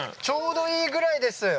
ちょうどいいぐらいです。